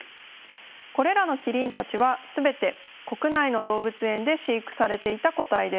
これらのキリンたちは全て国内の動物園で飼育されていた個体です。